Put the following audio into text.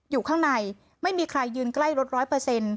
อยู่ข้างในไม่มีใครยืนใกล้รถร้อยเปอร์เซ็นต์